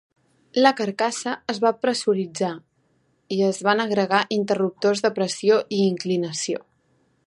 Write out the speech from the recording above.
La carcassa es va pressuritzar i es van agregar interruptors de pressió i inclinació.